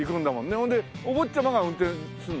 ほんでお坊ちゃまが運転するの？